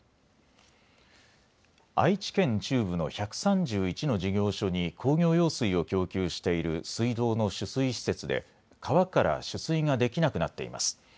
愛知県中部の１３１の事業所に工業用水を供給している水道の取水施設で川から取水ができなくなっています。